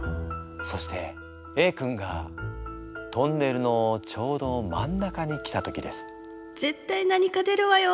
そしてＡ君がトンネルのちょうど真ん中に来た時です。